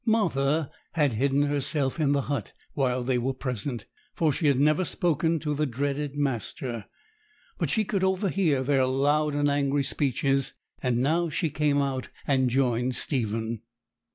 Martha had hidden herself in the hut while they were present, for she had never spoken to the dreaded master; but she could overhear their loud and angry speeches, and now she came out and joined Stephen.